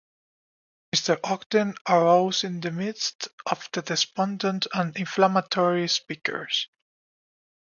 Mr. Ogden arose in the midst of the despondent and inflammatory speakers.